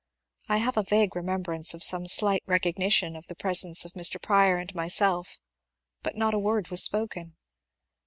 I have a vague remembrance of some slight re cognition of the presence of Mr. Prior and myself, but not a word was spoken.